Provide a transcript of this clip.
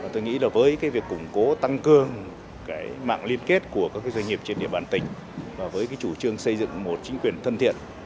tôi nghĩ là với việc củng cố tăng cương mạng liên kết của các doanh nghiệp trên địa bàn tỉnh và với chủ trương xây dựng một chính quyền thân thiện